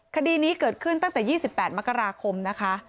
คดีนี้เกิดขึ้นตั้งแต่๒๘มกราคมนะคะ